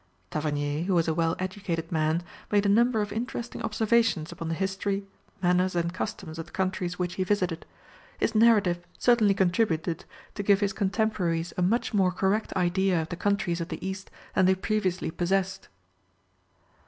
Tavernier, who was a well educated man, made a number of interesting observations upon the history, manners and customs, of the countries which he visited. His narrative certainly contributed to give his contemporaries a much more correct idea of the countries of the east than they previously possessed.